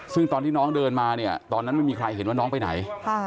ซึ่งตอนที่น้องเดินมาเนี่ยตอนนั้นไม่มีใครเห็นว่าน้องไปไหน